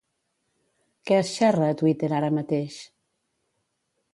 Què es xerra a Twitter ara mateix?